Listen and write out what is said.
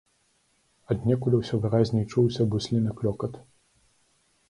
Аднекуль усё выразней чуўся бусліны клёкат.